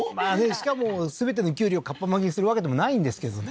しかも全てのきゅうりをかっぱ巻きにするわけでもないんですけどね